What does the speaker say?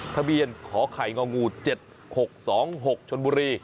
ทะเบียนขอไข่งองู๗๖๒๖ชนบุรี